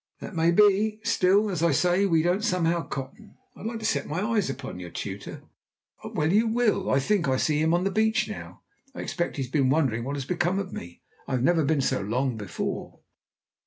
"That may be. Still, as I say, we don't somehow cotton. I'd like to set my eyes upon your tutor." "Well, you will. I think I see him on the beach now. I expect he has been wondering what has become of me. I've never been out so long before."